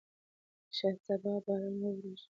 شاید سبا باران وورېږي.